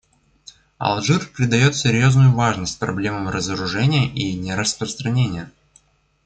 Алжир придает серьезную важность проблемам разоружения и нераспространения.